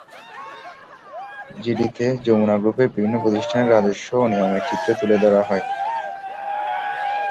জিডিতে যমুনা গ্রুপের বিভিন্ন প্রতিষ্ঠানের রাজস্ব অনিয়মের চিত্র তুলে ধরা হয়।